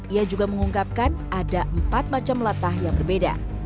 ia juga mengungkapkan ada empat macam latah yang berbeda